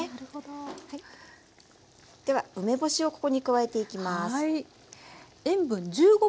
では梅干しをここに加えていきます。